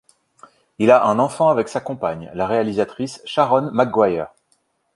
Il a un enfant avec sa compagne, la réalisatrice Sharon Maguire.